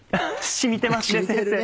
染みてます？